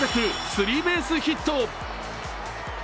スリーベースヒット。